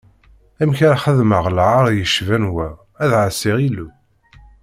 Amek ara xedmeɣ lɛaṛ yecban wa, ad ɛaṣiɣ Illu?